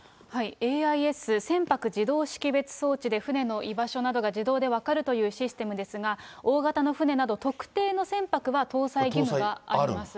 ＡＩＳ・船舶自動識別装置で、船の居場所などが自動で分かるというシステムですが、大型の船など特定の船舶は搭載義務があります。